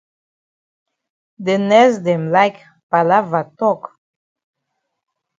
De nurse dem like palava tok dem.